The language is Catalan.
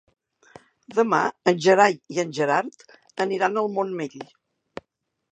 Demà en Gerai i en Gerard aniran al Montmell.